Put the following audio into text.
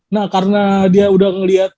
nah karena dia udah ngelihat